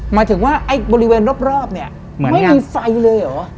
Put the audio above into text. หมายถึงว่าไอ้บริเวณรอบเนี่ยไม่มีไฟเลยเหรอ